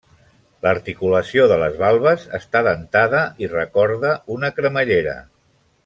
L'articulació de les valves està dentada i recorda una cremallera.